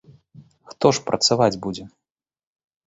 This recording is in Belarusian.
Хто ж працаваць будзе?